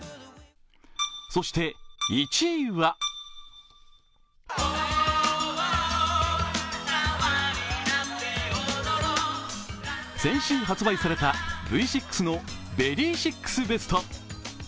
そして１位は先週発売されたＶ６の「Ｖｅｒｙ６ＢＥＳＴ」。